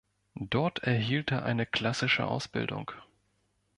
Dort erhielt er eine klassische Ausbildung.